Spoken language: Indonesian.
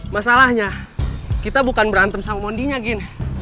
masalahnya kita bukan berantem sama mondinya gini